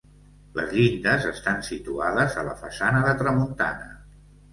Les llindes estan situades a la façana de tramuntana.